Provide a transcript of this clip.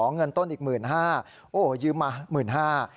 เงินต้นอีก๑๕๐๐๐บาทยืมมา๑๕๐๐๐บาท